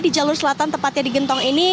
di jalur selatan tepatnya di gentong ini